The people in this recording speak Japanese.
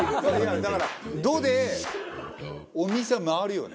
だから「ド」でお店は回るよね。